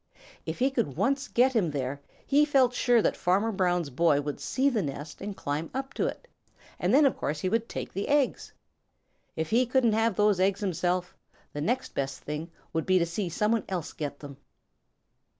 If he could once get him there, he felt sure that Farmer Brown's boy would see the nest and climb up to it, and then of course he would take the eggs. If he couldn't have those eggs himself, the next best thing would be to see some one else get them.